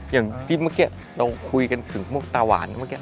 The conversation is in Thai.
อย่างที่เมื่อกี้เราคุยกันถึงมกตาหวาน